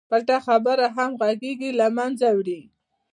پټه خبره همغږي له منځه وړي.